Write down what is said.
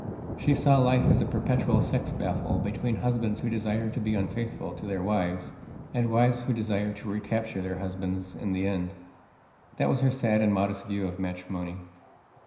She saw life as a perpetual sex battle between husbands who desire to be unfaithful to their wives, and wives who desire to recapture their husbands in the end. That was her sad and modest view of matrimony.